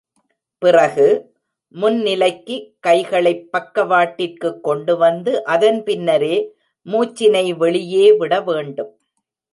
பிறகு, முன் நிலைக்கு கைகளைப் பக்கவாட்டிற்கு கொண்டு வந்து அதன் பின்னரே மூச்சினை வெளியே விட வேண்டும்.